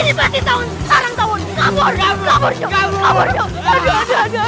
jangan lupa like share dan subscribe ya